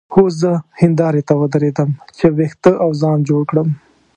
هو زه هندارې ته ودرېدم چې وېښته او ځان جوړ کړم.